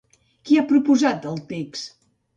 Qui ha proposat el text?